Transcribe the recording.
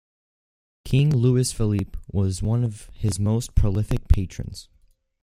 King Louis-Philippe was one of his most prolific patrons.